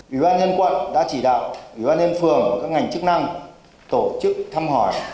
vị văn nhân quận đã chỉ đạo vị văn nhân phường và các ngành chức năng tổ chức thăm hỏi